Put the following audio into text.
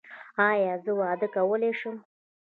ایا زه واده کولی شم؟